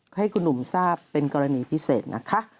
ให้คุณหนุ่มทราบเป็นกรณีพิเศษนะคะ